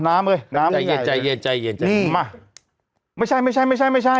น้ำเงียดใจเงียดใจมาไม่ใช่ไม่ใช่ไม่ใช่ไม่ใช่